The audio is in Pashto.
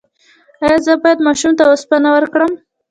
ایا زه باید ماشوم ته اوسپنه ورکړم؟